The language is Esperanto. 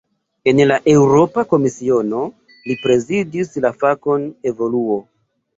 En la Eŭropa Komisiono, li prezidis la fakon "evoluo".